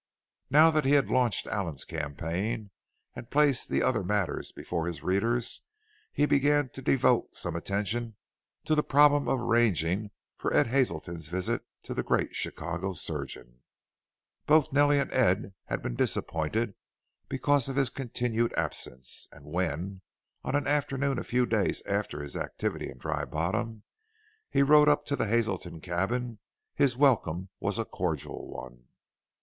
Now that he had launched Allen's campaign and placed the other matters before his readers, he began to devote some attention to the problem of arranging for Ed Hazelton's visit to the great Chicago surgeon. Both Nellie and Ed had been disappointed because of his continued absence, and when, on an afternoon a few days after his activity in Dry Bottom, he rode up to the Hazelton cabin his welcome was a cordial one.